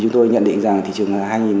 chúng tôi nhận định rằng thị trường